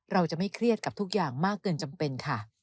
เราจะไม่เครียดกับทุกอย่างมากเกินจำเป็นค่ะ